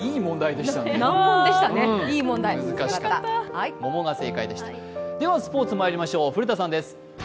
ではスポーツまいりましょう、古田さんです。